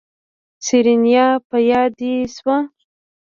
سېرېنا په ياده دې شوه.